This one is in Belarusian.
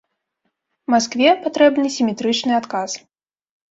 Маскве патрэбны сіметрычны адказ.